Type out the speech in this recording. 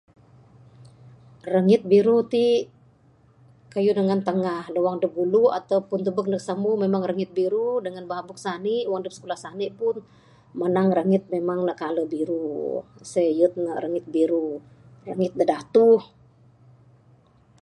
Rangit biru ti kayuh ne ngan tangah...da wang adep ngulu ataupun tubek da samu memang rangit biru dangan babuk sani wang adep sikulah sani pun manang rangit memang ne kaler biru...sien yek ne rangit biru...rangit da datuh.